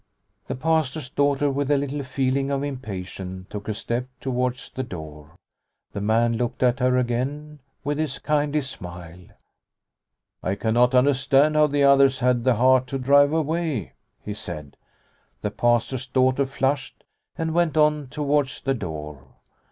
The Pastor's daughter with a little feeling of impatience took a step towards the door. 1 1 6 Liliecrona's Home The man looked at her again with his kindly smile. " I cannot understand how the others had the heart to drive away," he said. The Pastor's daughter flushed and went on towards the door.